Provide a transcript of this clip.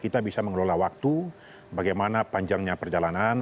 kita bisa mengelola waktu bagaimana panjangnya perjalanan